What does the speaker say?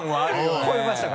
超えましたか？